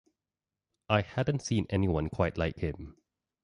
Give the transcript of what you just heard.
I hadn't seen anyone quite like him.